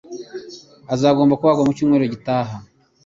Azagomba kubagwa mu cyumweru gitaha.